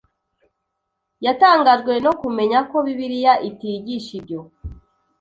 Yatangajwe no kumenya ko Bibiliya itigisha ibyo